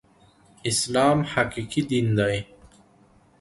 اسلام حقيقي دين دی